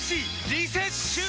リセッシュー！